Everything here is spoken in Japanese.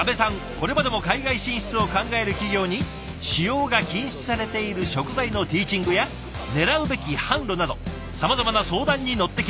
これまでも海外進出を考える企業に使用が禁止されている食材のティーチングやねらうべき販路などさまざまな相談に乗ってきました。